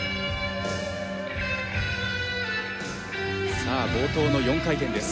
さあ冒頭の４回転です。